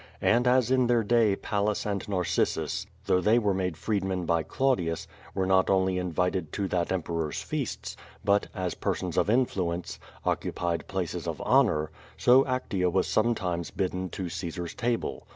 And as in their day Pallas and Nar cissus, though they were made freedmen by Claudius, were not only invited to that Emperor's feasts, but, as persons of influence, occupied places of honor, so Actea was sometimes bidden to Caesar's tabic.